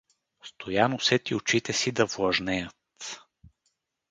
Стоян усети очите си да влажнеят.